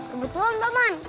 kebetulan pak man